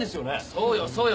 そうよそうよ。